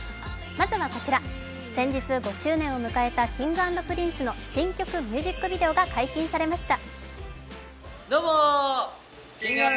まずはこちら、先日５周年を迎えたＫｉｎｇ＆Ｐｒｉｎｃｅの新曲ミュージックビデオが解禁されました。